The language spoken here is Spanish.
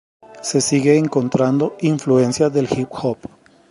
Se sigue encontrando influencias del hip hop.